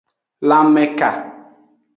Lanmeka.